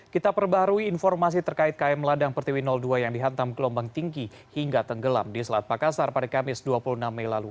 kita perbaharui informasi terkait km ladang pertiwi dua yang dihantam gelombang tinggi hingga tenggelam di selat makassar pada kamis dua puluh enam mei lalu